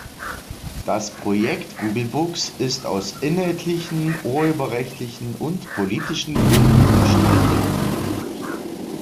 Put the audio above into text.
Das Projekt Google Books ist aus inhaltlichen, urheberrechtlichen und politischen Gründen umstritten.